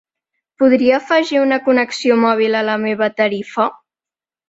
Podria afegir una connexió mòbil a la meva tarifa?